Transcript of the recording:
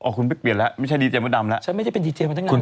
อ๋อคุณเปลี่ยนแล้วไม่ใช่ดีเจมส์ดำแล้วฉันไม่ได้เป็นดีเจมส์มาตั้งนานเลย